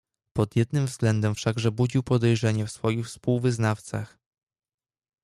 "Pod jednym względem wszakże budził podejrzenie w swoich współwyznawcach."